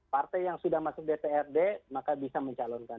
partai yang sudah masuk dprd maka bisa mencalonkan